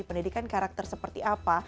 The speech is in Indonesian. pendidikan karakter seperti apa